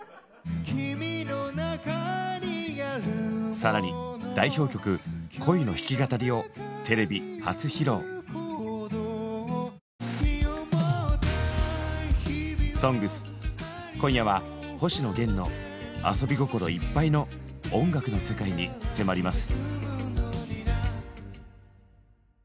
更に代表曲「恋」の弾き語りを「ＳＯＮＧＳ」今夜は星野源の「アソビゴコロ」いっぱいの音楽の世界に迫ります。